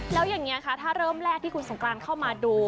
แล้วอย่างนี้คะถ้าเริ่มแรกที่คุณสงกรานเข้ามาดู